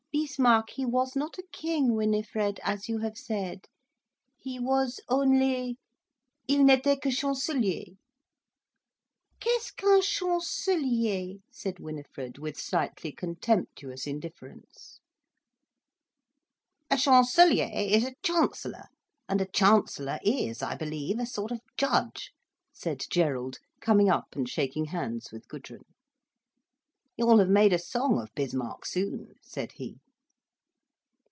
_ Beesmarck, he was not a king, Winifred, as you have said. He was only—il n'était que chancelier." "Qu'est ce qu'un chancelier?" said Winifred, with slightly contemptuous indifference. "A chancelier is a chancellor, and a chancellor is, I believe, a sort of judge," said Gerald coming up and shaking hands with Gudrun. "You'll have made a song of Bismarck soon," said he.